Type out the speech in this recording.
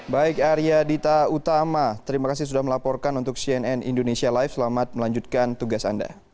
baik arya dita utama terima kasih sudah melaporkan untuk cnn indonesia live selamat melanjutkan tugas anda